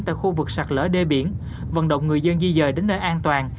tại khu vực sạt lỡ đê biển vận động người dân di dời đến nơi an toàn